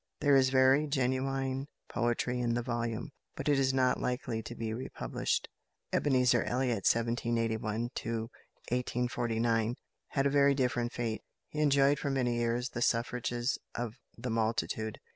There is very genuine poetry in the volume, but it is not likely to be republished. =Ebenezer Elliott (1781 1849)= had a very different fate. He enjoyed for many years the suffrages of the multitude.